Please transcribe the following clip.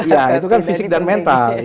iya itu kan fisik dan mental